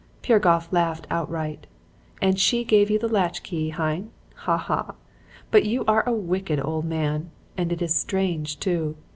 "Piragoff laughed outright. 'And she gave you the latch key, hein? Ha ha! but you are a wicked old man. And it is strange too.'